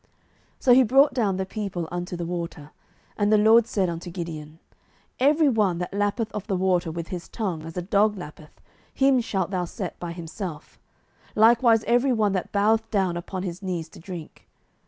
07:007:005 So he brought down the people unto the water: and the LORD said unto Gideon, Every one that lappeth of the water with his tongue, as a dog lappeth, him shalt thou set by himself; likewise every one that boweth down upon his knees to drink.